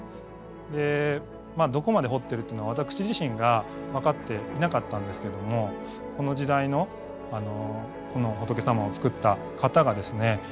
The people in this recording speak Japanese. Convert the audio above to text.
でどこまで彫っているというのは私自身が分かっていなかったんですけどもこの時代のこの仏様を作った方がですね